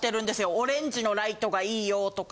オレンジのライトがいいよとか。